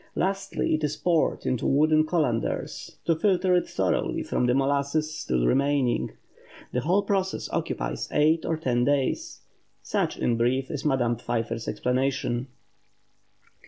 Lastly it is poured into wooden colanders, to filter it thoroughly from the molasses still remaining. The whole process occupies eight or ten days. Such, in brief, is Madame Pfeiffer's explanation.